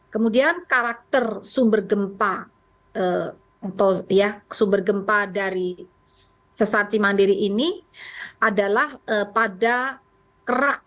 kemudian karakter sumber gempa sumber gempa dari sesar cimandiri ini adalah pada kerak